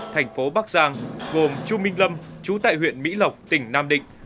thành phố bắc giang gồm chu minh lâm chú tại huyện mỹ lộc tỉnh nam định